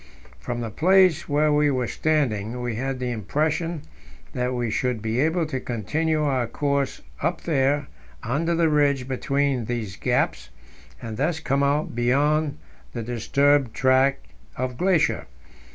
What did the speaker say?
From the place where we were standing, we had the impression that we should be able to continue our course up there under the ridge between these gaps, and thus come out beyond the disturbed tract of glacier.